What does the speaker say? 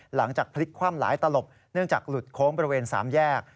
หลังจากพลิกคว่ำหลายตลบเนื่องจากหลุดโค้งบริเวณ๓แยก